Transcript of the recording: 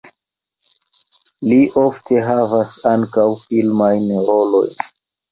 Li ofte havas ankaŭ filmajn rolojn.